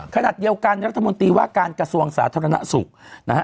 ขณะเดียวกันรัฐมนตรีว่าการกระทรวงสาธารณสุขนะฮะ